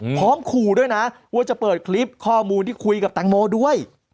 ขู่ด้วยนะว่าจะเปิดคลิปข้อมูลที่คุยกับแตงโมด้วย